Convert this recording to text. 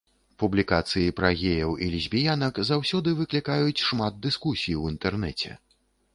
Публікацыі пра геяў і лесбіянак заўсёды выклікаюць шмат дыскусій у інтэрнэце.